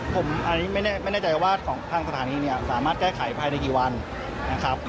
ผมอันนี้ไม่แน่ใจว่าของทางสถานีเนี่ยสามารถแก้ไขภายในกี่วันนะครับ